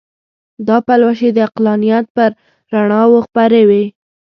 دا پلوشې د عقلانیت پر رڼاوو خپرې وې.